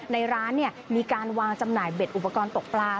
ในร้านมีการวางจำหน่ายเบ็ดอุปกรณ์ตกปลา